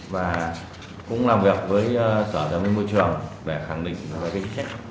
và cũng làm việc với sở thế giới môi trường để khẳng định